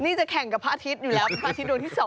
นี่จะแข่งกับพระอาทิตย์อยู่แล้วเป็นพระอาทิตย์ดวงที่๒